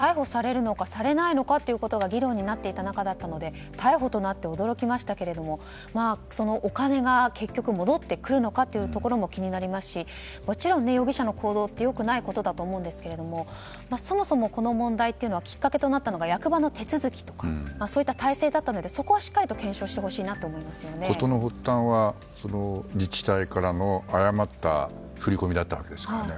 ここ数日、逮捕されるのかされないのかというのが議論になっていた中だったので逮捕となって驚きましたけれども、そのお金が結局、戻ってくるのかというところも気になりますしもちろん容疑者の行動って良くないことだと思うんですけどもそもそもこの問題というのはきっかけとなったのが役場の手続きとかそういった体制だったのでそこをしっかり検証してほしいと事の発端は、自治体からの誤った振込だったわけですからね。